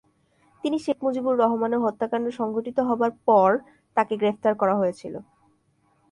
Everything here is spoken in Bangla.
তিনি শেখ মুজিবুর রহমানের হত্যাকাণ্ড সংঘটিত হবার পর তাকে গ্রেফতার করা হয়েছিল।